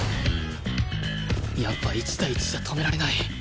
やっぱ１対１じゃ止められない！